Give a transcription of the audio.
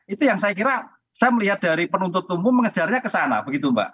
itu yang saya kira saya melihat dari penuntut umum mengejarnya ke sana begitu mbak